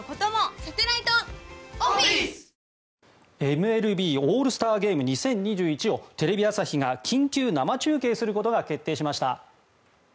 ＭＬＢオールスターゲーム２０２１をテレビ朝日が緊急生中継することが決定しました。